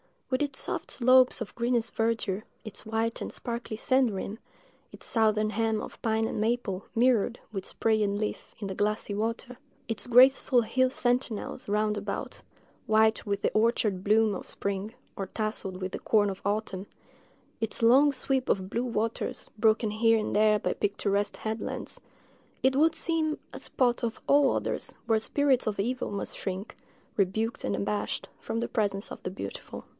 With its soft slopes of greenest verdure—its white and sparkling sand rim—its southern hem of pine and maple, mirrored, with spray and leaf, in the glassy water—its graceful hill sentinels round about, white with the orchard bloom of spring, or tasselled with the corn of autumn—its long sweep of blue waters, broken here and there by picturesque headlands—it would seem a spot, of all others, where spirits of evil must shrink, rebuked and abashed, from the presence of the beautiful.